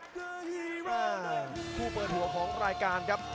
มาคู่เปิดหัวของรายการ